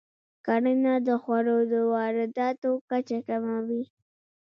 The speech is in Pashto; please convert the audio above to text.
کرنه د خوړو د وارداتو کچه کموي.